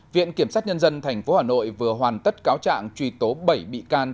viện kiểm sát nhân dân tp hà nội vừa hoàn tất cáo trạng truy tố bảy bị căn cứ